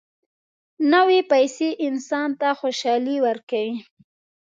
نوې پیسې انسان ته خوشالي ورکوي